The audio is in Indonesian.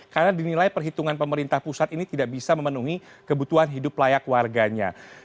karena dinilai perhitungan pemerintah pusat ini tidak bisa memenuhi kebutuhan hidup layak warganya